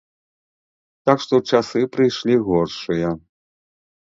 Так што часы прыйшлі горшыя.